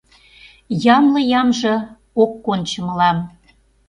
Ямле ямже ок кончо мылам.